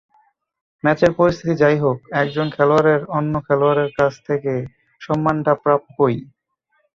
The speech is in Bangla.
ম্যাচের পরিস্থিতি যা-ই হোক, একজন খেলোয়াড়ের অন্য খেলোয়াড়ের কাছ থেকে সম্মানটা প্রাপ্যই।